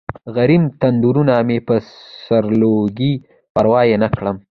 غر یم تندرونه مې په سرلویږي پروا یې نکړم